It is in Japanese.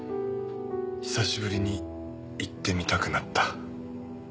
久しぶりに行ってみたくなった。